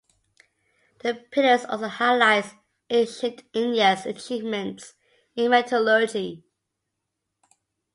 The pillar also highlights ancient India's achievements in metallurgy.